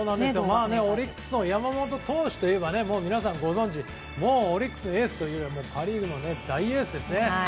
オリックスの山本投手といえば皆さんご存じオリックスのエースというよりパ・リーグの大エースですね。